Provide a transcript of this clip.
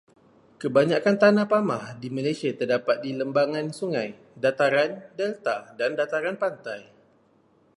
Kebanyakan tanah pamah di Malaysia terdapat di lembangan sungai, dataran, delta dan dataran pantai.